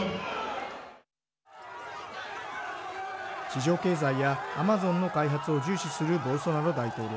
市場経済やアマゾンの開発を重視するボルソナロ大統領。